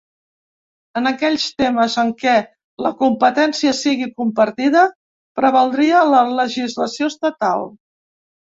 En aquells temes en què la competència sigui compartida, prevaldria la legislació estatal.